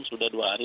sudah dua hari